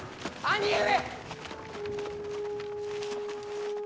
兄上！